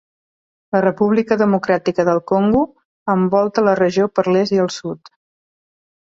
La República Democràtica del Congo, envolta la regió per l'est i el sud.